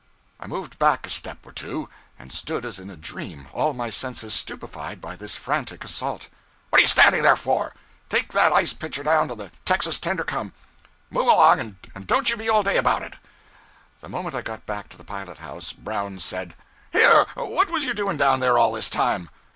I moved back a step or two, and stood as in a dream, all my senses stupefied by this frantic assault. 'What you standing there for? Take that ice pitcher down to the texas tender come, move along, and don't you be all day about it!' The moment I got back to the pilot house, Brown said 'Here! What was you doing down there all this time?'